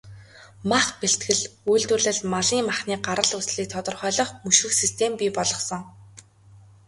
Мах бэлтгэл, үйлдвэрлэлд малын махны гарал үүслийг тодорхойлох, мөшгөх систем бий болгосон.